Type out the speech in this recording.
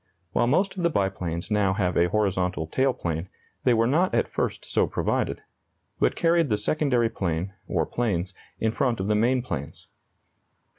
While most of the biplanes now have a horizontal tail plane, they were not at first so provided, but carried the secondary plane (or planes) in front of the main planes.